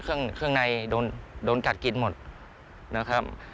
บุ๋มเข้าไปเครื่องในโดนกัดกินหมดนะครับ